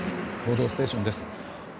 「報道ステーション」です。